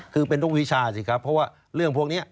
คือเป็นทุกวิชาสิครับเพราะว่าเรื่องพวกนี้